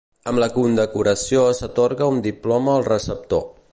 Amb la condecoració s'atorga un diploma al receptor.